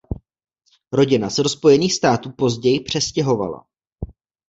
Rodina se do Spojených států později přestěhovala.